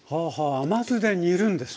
甘酢で煮るんですね？